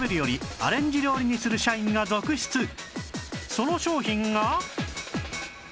その商品が